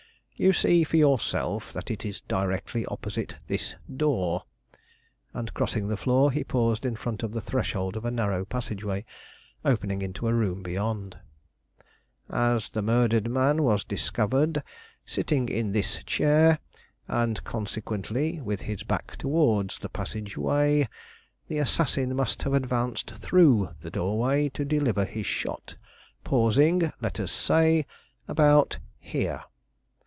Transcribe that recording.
"You see for yourself that it is directly opposite this door," and, crossing the floor, he paused in front of the threshold of a narrow passageway, opening into a room beyond.[A] "As the murdered man was discovered sitting in this chair, and consequently with his back towards the passageway, the assassin must have advanced through the doorway to deliver his shot, pausing, let us say, about here."